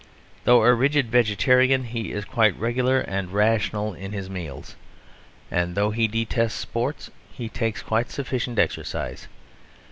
Though a rigid vegetarian, he is quite regular and rational in his meals; and though he detests sport, he takes quite sufficient exercise.